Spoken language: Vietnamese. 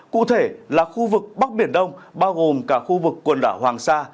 cụ thể là khu vực bắc biển đông bao gồm cả khu vực quần đảo hoàng sa